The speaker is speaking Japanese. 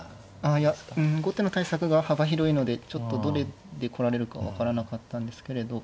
ああいやうん後手の対策が幅広いのでちょっとどれで来られるかは分からなかったんですけれど。